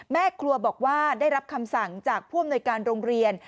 แม่ครัวบอกว่าได้รับคำสั่งจากผู้อำนวยการโรงเรียน